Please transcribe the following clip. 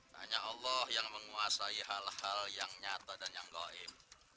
hanya allah yang menguasai hal hal yang nyata dan yang goib